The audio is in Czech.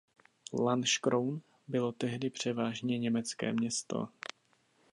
Lanškroun bylo tehdy převážně německé město.